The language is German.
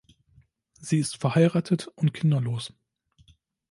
Sie ist verheiratet und kinderlos.